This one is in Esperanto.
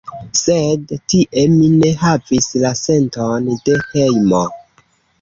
Sed tie mi ne havis la senton de hejmo.